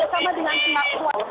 amatur maupun pekerjaan